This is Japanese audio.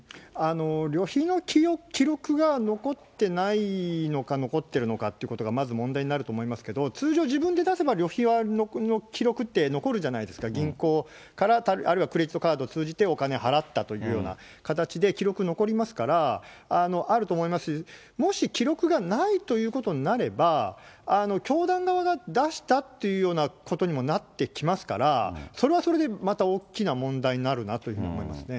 旅費の記録が残ってないのか、残ってるのかということが、まず問題になると思いますけど、通常、自分で出せば旅費の記録って残るじゃないですか、銀行から、あるいはクレジットカードを通じてお金払ったというような形で記録、残りますから、あると思いますし、もし記録がないということになれば、教団側が出したっていうようなことにもなってきますから、それはそれでまた大きな問題になるなというふうに思いますね。